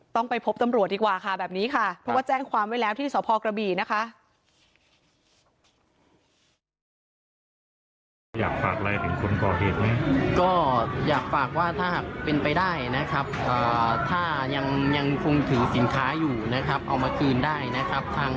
ต้องไปพบตำรวจดีกว่าค่ะแบบนี้ค่ะเพราะว่าแจ้งความไว้แล้วที่สพกระบี่นะคะ